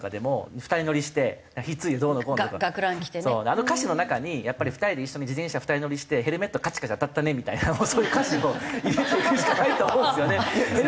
あの歌詞の中にやっぱり２人で一緒に自転車２人乗りしてヘルメットカチカチ当たったねみたいなそういう歌詞を入れていくしかないとは思うんですよね。